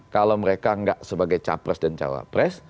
kalau mereka enggak sebagai capres dan calapres